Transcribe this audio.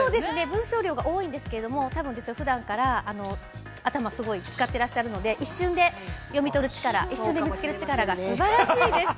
文章量が多いんですけれども、多分ふだんから頭すごい使っていらっしゃるので、一瞬で読み取る力、一瞬で見つける力がすばらしいです。